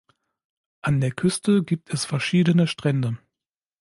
An der Küste gibt es verschiedene Strände.